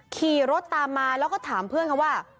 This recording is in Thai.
ขี่รถตามมาแล้วก็ถามเพื่อนเขาว่า